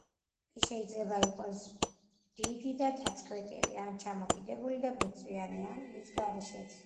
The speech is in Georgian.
ის შეიძლება იყოს დიდი და დაცქვეტილი, ან ჩამოკიდებული და ბეწვიანი, ან მის გარეშეც.